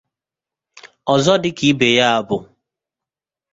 Ọzọ dịka ibe ya bụ